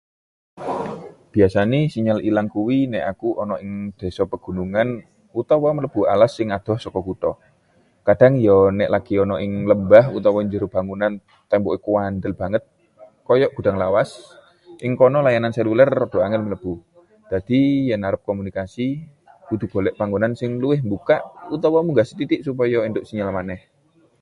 Biasane sinyal ilang kuwi nek aku ana ing desa pegunungan utawa mlebu alas sing adoh saka kutha. Kadang yo nek lagi ana ing lembah utawa njero bangunan temboké kandel banget, kaya gudang lawas. Ing kono layanan seluler rada angel mlebu. Dadi yen arep komunikasi, kudu golek panggonan sing luwih mbukak utawa munggah sethithik supaya entuk sinyal maneh.